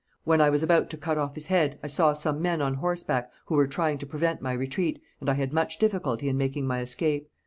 'When I was about to cut off his head, I saw some men on horseback, who were trying to prevent my retreat, and I had much difficulty in making my escape.